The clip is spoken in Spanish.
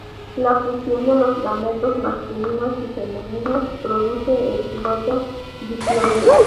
La fusión de los gametos masculinos y femeninos produce el cigoto diploide.